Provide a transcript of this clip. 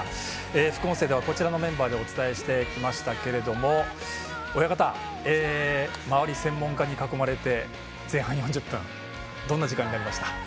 副音声では、こちらのメンバーでお伝えしてきましたけど親方、周り専門家に囲まれて前半４０分どんな時間になりました？